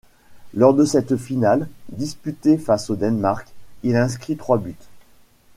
Lors de cette finale, disputée face au Danemark, il inscrit trois buts.